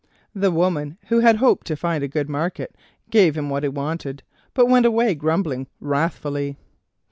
The woman, who had hoped to find a good market, gave him what he wanted, but went away grumbling wrathfully.